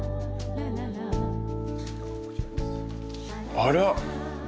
あら。